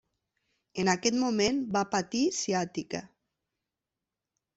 En aquest moment va patir ciàtica.